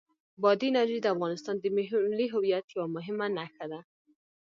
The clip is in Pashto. بادي انرژي د افغانستان د ملي هویت یوه مهمه نښه ده.